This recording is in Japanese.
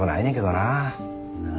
なあ。